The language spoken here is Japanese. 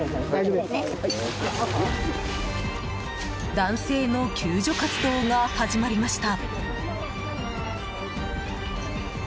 男性の救助活動が始まりました。